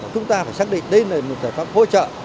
chúng ta phải xác định đây là một giải pháp hỗ trợ